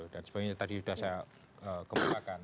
dan sebagainya tadi sudah saya kebutuhkan